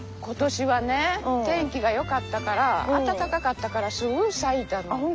今年はね天気がよかったから暖かかったからすぐ咲いたの。